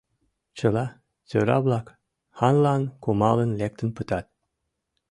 Чыла тӧра-влак, ханлан кумалын, лектын пытат.